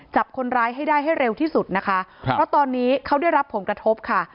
จับคนร้ายให้ได้ให้เร็วที่สุดนะคะครับเพราะตอนนี้เขาได้รับผลกระทบค่ะ